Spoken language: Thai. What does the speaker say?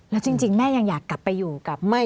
แล้วจริงแม่ยังอยากกลับไปอยู่กับลูกสัตว์